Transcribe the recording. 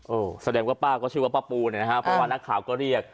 เออแสดงว่าป้าก็ชื่อว่าป้าปูเนี่ยนะฮะเพราะว่านักข่าวก็เรียก